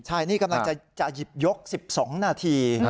ใช่นี่กำลังจะหยิบยก๑๒นาที